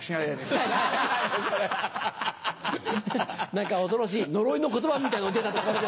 何か恐ろしい呪いの言葉みたいのが出たところで。